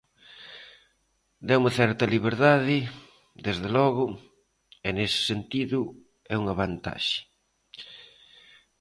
Deume certa liberdade, desde logo, e nese sentido é unha vantaxe.